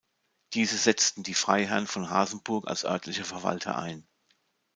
Diese setzten die Freiherren von Hasenburg als örtliche Verwalter ein.